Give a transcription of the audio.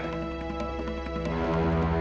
sebelum kesempatan itu berakhir